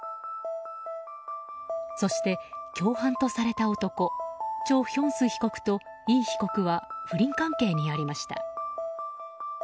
そして共犯とされた男チョ・ヒョンス被告とイ被告は不倫関係にありました。